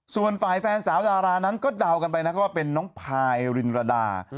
ส่วนฝ่ายแฟนสาวดารานั้นก็เดากันไปนะว่าเป็นน้องพายรินรดา